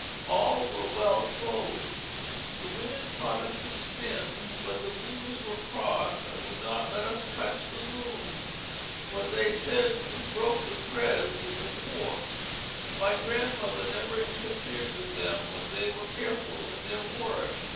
All were well clothed. The women taught us to spin, but the weavers were cross and would not let us touch the loom, for they said we broke the threads in the warp. My grandmother never interfered with them when they were careful in their work.